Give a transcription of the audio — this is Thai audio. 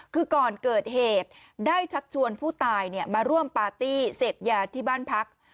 คือก่อนเกิดเหตุได้ชักชวนผู้ตายมาร่วมปาร์ตี้เสพยาที่บ้านพัก